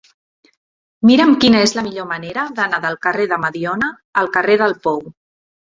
Mira'm quina és la millor manera d'anar del carrer de Mediona al carrer del Pou.